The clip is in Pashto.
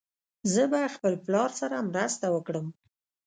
زه به خپل پلار سره مرسته وکړم.